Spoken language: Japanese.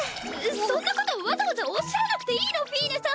そんなことわざわざおっしゃらなくていいのフィーネさん。